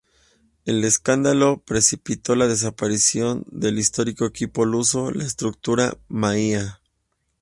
El escándalo precipitó la desaparición del histórico equipo luso, la estructura Maia.